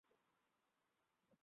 তোর জন্য একটা শেরওয়ানিও?